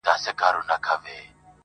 چي یې سور د میني نه وي په سینه کي,